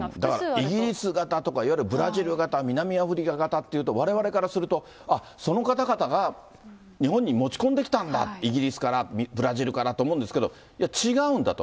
イギリス型とか、いわゆるブラジル型、南アフリカ型っていうと、われわれからすると、あっ、その方々が日本に持ち込んできたんだ、イギリスから、ブラジルからと思うんですけど、いや、違うんだと。